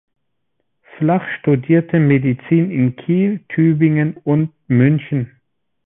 Flach studierte Medizin in Kiel, Tübingen und München.